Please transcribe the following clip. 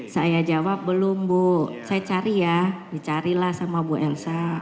saya jawab belum bu saya cari ya dicarilah sama bu elsa